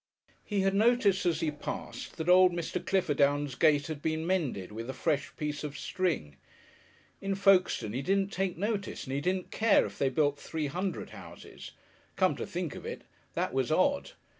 He had noted as he passed that old Mr. Cliffordown's gate had been mended with a fresh piece of string. In Folkestone he didn't take notice and he didn't care if they built three hundred houses. Come to think of it, that was odd.